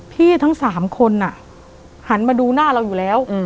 ทั้ง๓คนหันมาดูหน้าเราอยู่แล้ว